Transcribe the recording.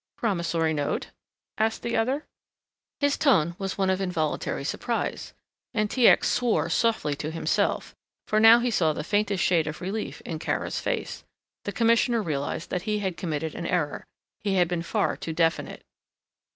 "Promissory note?" asked the other. His tone was one of involuntary surprise and T. X. swore softly to himself for now he saw the faintest shade of relief in Kara's face. The Commissioner realized that he had committed an error he had been far too definite.